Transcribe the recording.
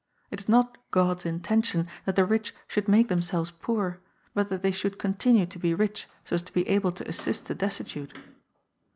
It is not God's intention that the rich should make themselves poor, but that they should continue to be rich so as to be able to assist the destitute.